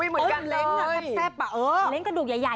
เหมือนกันเลยเล็งกระดูกใหญ่นะคะ